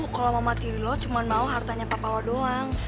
kalau mama tiri lo cuma mau hartanya papa lo doang